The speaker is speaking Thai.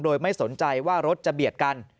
โดยไม่สนใจว่ารถจะเบียดกัน